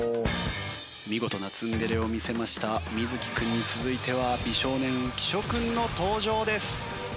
見事なツンデレを見せました瑞稀君に続いては美少年浮所君の登場です。